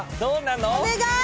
お願い！